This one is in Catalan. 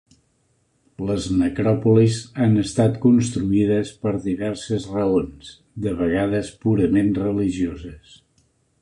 Les necròpolis han estat construïdes per diverses raons; de vegades purament religioses.